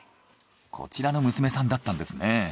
こちらの娘さんだったんですね。